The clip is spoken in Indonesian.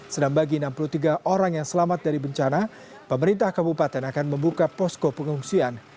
sedang bagi enam puluh tiga orang yang selamat dari bencana pemerintah kabupaten akan membuka posko pengungsian